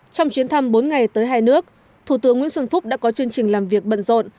trong chuyến thăm bốn ngày tới hai nước thủ tướng nguyễn xuân phúc đã có chương trình làm việc bận rộn